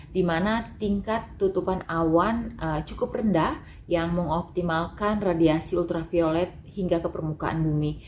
di mana tingkat tutupan awan cukup rendah yang mengoptimalkan radiasi ultraviolet hingga ke permukaan bumi